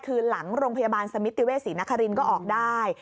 คือหลังโรงพยาบาลสมิติเวศรีนครินก็ออกได้